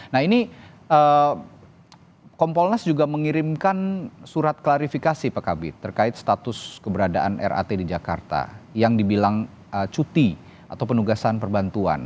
nah ini kompolnas juga mengirimkan surat klarifikasi pak kabit terkait status keberadaan rat di jakarta yang dibilang cuti atau penugasan perbantuan